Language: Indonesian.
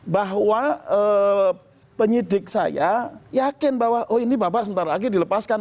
bahwa penyidik saya yakin bahwa oh ini bapak sebentar lagi dilepaskan